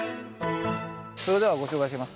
それではご紹介します。